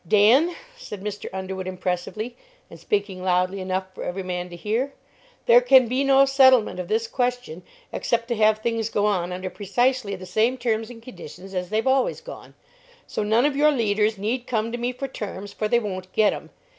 "Dan," said Mr. Underwood, impressively, and speaking loudly enough for every man to hear, "there can be no settlement of this question except to have things go on under precisely the same terms and conditions as they've always gone; so none of your leaders need come to me for terms, for they won't get 'em.